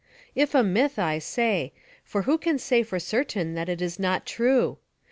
If a myth, I say, for who can say for certain that it is not true?